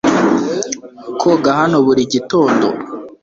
Koga hano buri gitondo .